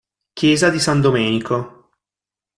Chiesa di San Domenico